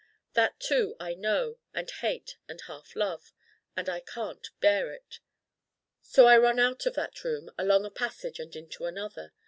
That too I know and hate and half love: and I can't bear it. So I run out of that Room along a passage and into another.